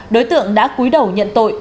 đối tượng đã cúi đầu nhận tội